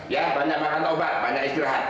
ya banyak makan obat banyak istirahat